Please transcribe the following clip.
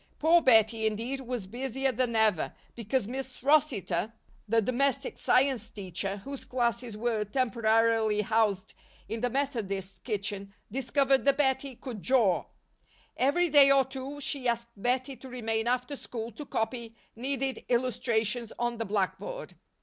Poor Bettie, indeed, was busier than ever because Miss Rossitor, the Domestic Science teacher, whose classes were temporarily housed in the Methodist kitchen, discovered that Bettie could draw. Every day or two she asked Bettie to remain after school to copy needed illustrations on the blackboard.